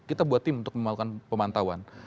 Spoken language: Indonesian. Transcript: kita buat tim untuk melakukan pemantauan